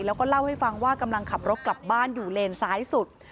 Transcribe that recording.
แล้วก็เล่าให้ฟังว่ากำลังขับรถกลับบ้านอยู่เลนซ้ายสุด